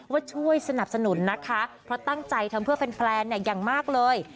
ว่าช่วยสนับสนุนนะคะเพราะตั้งใจทำเพื่อแฟนอย่างมากเลย